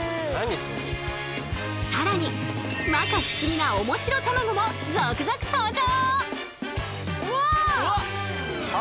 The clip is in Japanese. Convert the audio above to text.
更にまか不思議なおもしろたまごも続々登場！